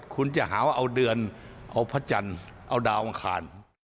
คุณจะหาว่าเอาเดือนเอาพระจันทร์เอาดาวอังคาร